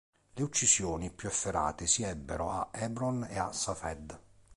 Le uccisioni più efferate si ebbero a Hebron e a Safed.